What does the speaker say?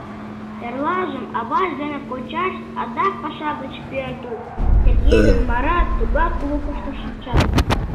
Эрлажым авашт ден кочашт адак паша гыч пӧртылыт Сергей ден Мара тугак лукышто шинчат.